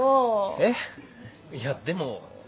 えっいやでもねぇ。